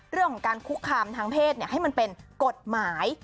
เรื่องของการคุกคามทางเพศให้มันเป็นกฎหมาย